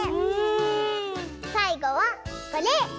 さいごはこれ。